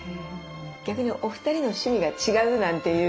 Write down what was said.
逆にお二人の趣味が違うなんていうことも？